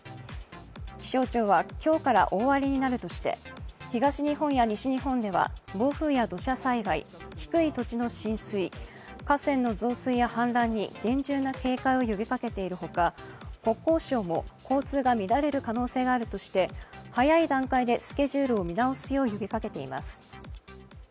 気象庁は今日から大荒れになるとして、東日本や西日本では暴風や土砂災害、低い土地の浸水、河川の増水や氾濫に厳重な警戒を呼びかけているほか国交省も交通が乱れる可能性があるとして早い段階でスケジュールを見直すよう呼びかけています。